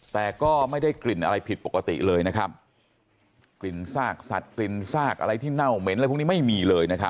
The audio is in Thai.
แต่ก็ไม่ได้กลิ่นอะไรผิดปกติเลยนะครับกลิ่นซากสัตว์กลิ่นซากอะไรที่เน่าเหม็นอะไรพวกนี้ไม่มีเลยนะครับ